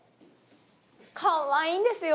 かわいいんですよ。